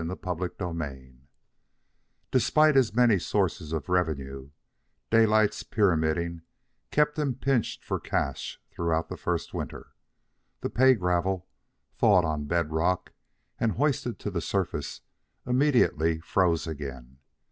CHAPTER XII Despite his many sources of revenue, Daylight's pyramiding kept him pinched for cash throughout the first winter. The pay gravel, thawed on bed rock and hoisted to the surface, immediately froze again.